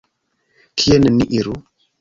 Kien ni iru?